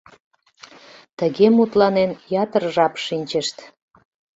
Тыге мутланен, ятыр жап шинчышт.